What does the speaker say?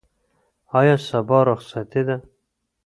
آیا سبا رخصتي ده؟